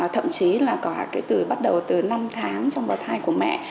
thậm chí là có cái từ bắt đầu từ năm tháng trong vào thai của mẹ